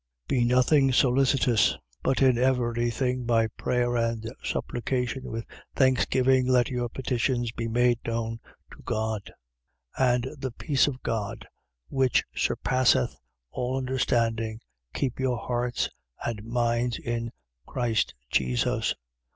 4:6. Be nothing solicitous: but in every thing, by prayer and supplication, with thanksgiving, let your petitions be made known to God. 4:7. And the peace of God, which surpasseth all understanding, keep your hearts and minds in Christ Jesus.